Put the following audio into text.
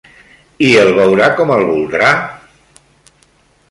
I el veurà com el voldrà?